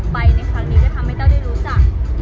ในครั้งนี้ก็ทำให้แต้วได้รู้จัก